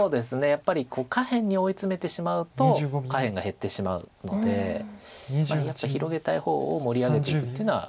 やっぱり下辺に追い詰めてしまうと下辺が減ってしまうのでやっぱり広げたい方を盛り上げていくっていうのは。